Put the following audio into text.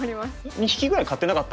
２匹ぐらい飼ってなかった？